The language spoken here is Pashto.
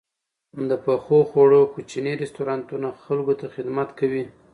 د پخو خوړو کوچني رستورانتونه خلکو ته خدمت کوي.